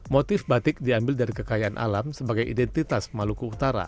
motif batik diambil dari kekayaan alam sebagai identitas maluku utara